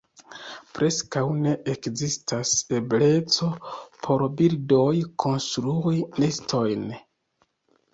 Preskaŭ ne ekzistas ebleco por birdoj konstrui nestojn.